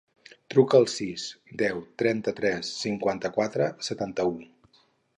Truca al sis, deu, trenta-tres, cinquanta-quatre, setanta-u.